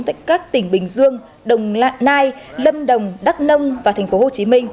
tại các tỉnh bình dương đồng lạc nai lâm đồng đắk nông và tp hcm